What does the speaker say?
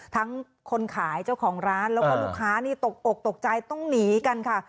คนขายเจ้าของร้านแล้วก็ลูกค้านี่ตกอกตกใจต้องหนีกันค่ะ